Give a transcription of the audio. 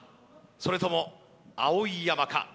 それとも碧山か